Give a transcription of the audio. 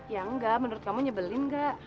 ya nggak menurut kamu nyebelin nggak